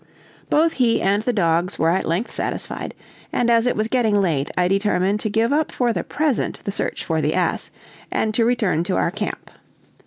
Both he and the dogs were at length satisfied, and as it was getting late, I determined to give up for the present the search for the ass, and to return to our camp.